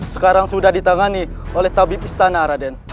sekarang sudah ditangani oleh tabib istana raden